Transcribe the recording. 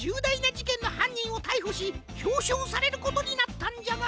じけんのはんにんをたいほしひょうしょうされることになったんじゃが。